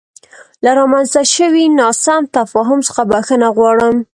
له رامنځته شوې ناسم تفاهم څخه بخښنه غواړم.